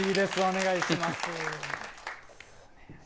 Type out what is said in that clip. お願いします